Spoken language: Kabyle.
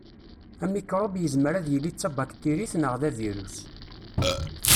Amikṛub yezmer ad yili d tabaktirit neɣ d avirus.